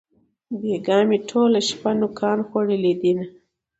بېگاه مې ټوله شپه نوکان خوړلې دينه